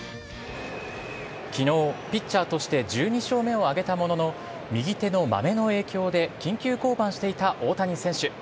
きのう、ピッチャーとして１２勝目を挙げたものの、右手のまめの影響で、緊急降板していた大谷選手。